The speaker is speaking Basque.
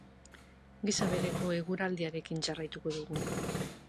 Gisa bereko eguraldiarekin jarraituko dugu.